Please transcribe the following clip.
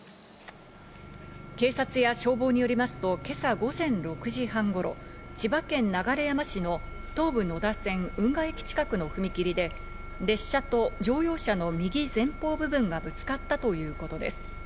警察や消防によりますと今朝、午前６時半頃、千葉県流山市の東武野田線・運河駅近くの踏切で、列車と乗用車の右前方部分がぶつかったということです。